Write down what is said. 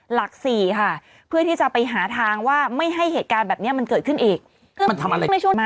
หลัก๔ค่ะเพื่อที่จะไปหาทางว่าไม่ให้เหตุการณ์แบบนี้มันเกิดขึ้นอีก